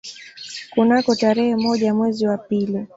Kunako tarehe moja mwezi wa pili